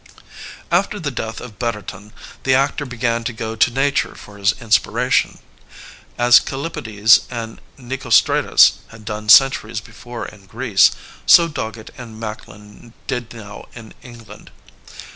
After the death of Betterton the actor began to go to nature for his inspiration. As Kallipides and Nicostratus had done centuries before in Greece, so Dogget and Macklin did now in England.